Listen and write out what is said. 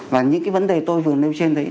và những cái vấn đề tôi vừa nêu trên đấy